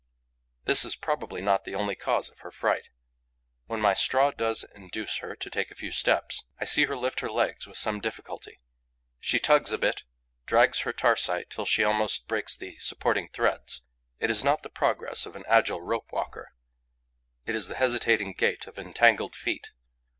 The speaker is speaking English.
This is probably not the only cause of her fright. When my straw does induce her to take a few steps, I see her lift her legs with some difficulty. She tugs a bit, drags her tarsi till she almost breaks the supporting threads. It is not the progress of an agile rope walker; it is the hesitating gait of entangled feet.